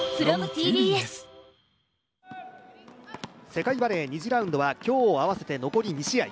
世界バレー２次ラウンドは今日を合わせて残り２試合。